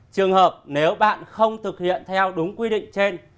trường hợp nếu bạn không thực hiện theo đúng quy định trên